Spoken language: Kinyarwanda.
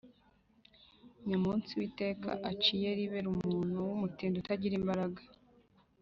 Nyamunsi we, iteka uciyeribera umuntu w’umutindi utagira imbaraga,